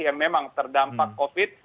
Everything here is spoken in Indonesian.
yang memang terdampak covid sembilan belas